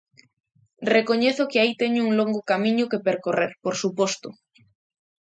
Recoñezo que aí teño un longo camiño que percorrer, por suposto.